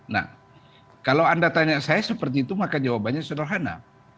nah kalau anda tanya saya seperti itu maka jawabannya sederhana